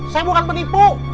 saya bukan penipu